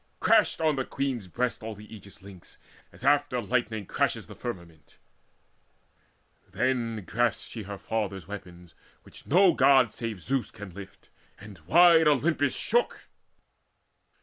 Crashed on the Queen's breast all the Aegis links, As after lightning crashes the firmament. Then grasped she her father's weapons, which no God Save Zeus can lift, and wide Olympus shook.